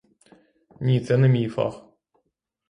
Ні, це не мій фах.